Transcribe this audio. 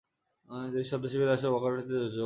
তিনি স্বদেশে ফিরে আসেন ও ‘ওয়ার্কার্স পার্টি’তে যোগ দেন।